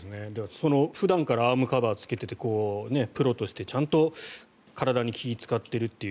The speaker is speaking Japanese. その普段からアームカバーを着けていてプロとしてちゃんと体に気を使っているという。